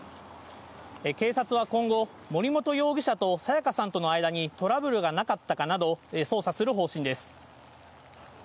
警察は、今後森本容疑者と彩加さんの間にトラブルがなかったかなど捜査する方針です。